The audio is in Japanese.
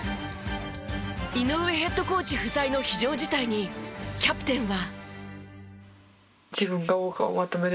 井上ヘッドコーチ不在の非常事態にキャプテンは。